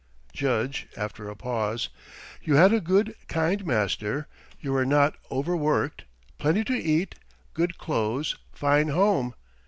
Judge, after a pause: "You had a good, kind master, you were not overworked, plenty to eat, good clothes, fine home.